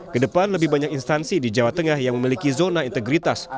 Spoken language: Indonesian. kedepan lebih banyak instansi di jawa tengah yang memiliki zona integritas